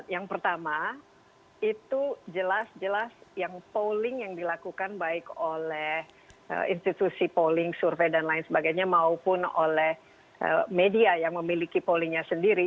yang pertama itu jelas jelas yang polling yang dilakukan baik oleh institusi polling survei dan lain sebagainya maupun oleh media yang memiliki pollingnya sendiri